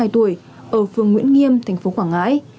bốn mươi hai tuổi ở phương nguyễn nghiêm thành phố quảng ngãi